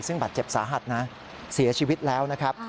ซึ่งบาดเจ็บสาหัสนะเสียชีวิตแล้วนะครับ